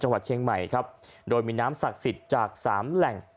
จังหวัดเชียงใหม่ครับโดยมีน้ำศักดิ์สิทธิ์จากสามแหล่ง